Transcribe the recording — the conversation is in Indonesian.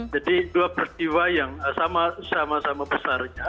jadi dua peristiwa yang sama sama besarnya